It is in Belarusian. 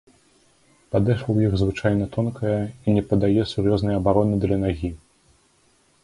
Падэшва ў іх звычайна тонкая і не падае сур'ёзнай абароны для нагі.